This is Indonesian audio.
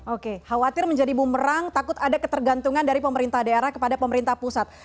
oke khawatir menjadi bumerang takut ada ketergantungan dari pemerintah daerah kepada pemerintah pusat